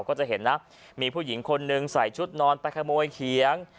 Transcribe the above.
ก็จะเห็นนะมีผู้หญิงคนนึงใส่ชุดนอนไปขโมยเขียง